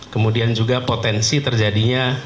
kemudian juga potensi terjadinya